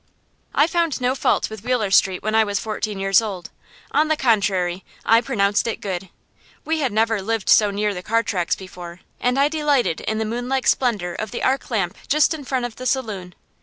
I found no fault with Wheeler Street when I was fourteen years old. On the contrary, I pronounced it good. We had never lived so near the car tracks before, and I delighted in the moonlike splendor of the arc lamp just in front of the saloon.